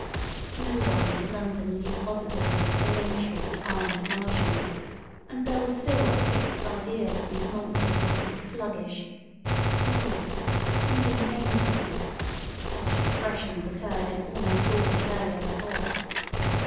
No one in London knew positively of the nature of the armoured Martians, and there was still a fixed idea that these monsters must be sluggish: "crawling," "creeping painfully"—such expressions occurred in almost all the earlier reports.